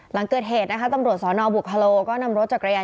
หลังเกิดเหตุนะคะตำรวจสอนอบุวฮารโร